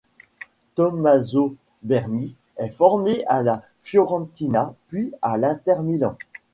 Tommaso Berni est formé à la Fiorentina puis à l'Inter Milan.